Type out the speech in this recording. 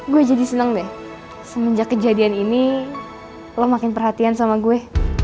gue jadi senang deh semenjak kejadian ini lo makin perhatian sama gue